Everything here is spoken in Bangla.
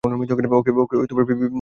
ওকে, পিবি, বড়ো কিছু ভাবো!